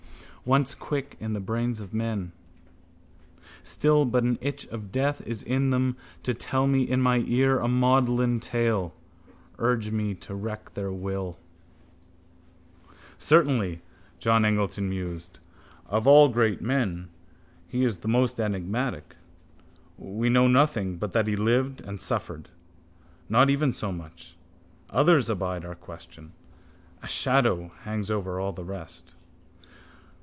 Once quick in the brains of men. Still: but an itch of death is in them, to tell me in my ear a maudlin tale, urge me to wreak their will. —Certainly, John Eglinton mused, of all great men he is the most enigmatic. We know nothing but that he lived and suffered. Not even so much. Others abide our question. A shadow hangs over all the rest.